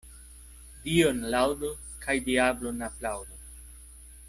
Dion laŭdu kaj diablon aplaŭdu.